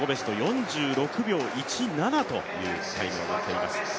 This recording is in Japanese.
４６秒１７というタイムを持っています。